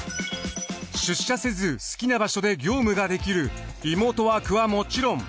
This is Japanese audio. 出社せず好きな場所で業務ができるリモートワークはもちろん。